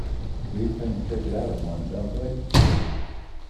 These things take it out of one, don't they?